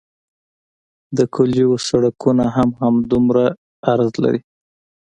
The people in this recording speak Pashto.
د کلیو سرکونه هم همدومره عرض لري